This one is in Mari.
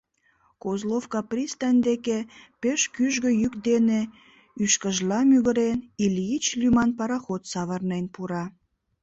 Козловка пристань деке пеш кӱжгӧ йӱк дене, ӱшкыжла мӱгырен, «Ильич» лӱман пароход савырнен пура.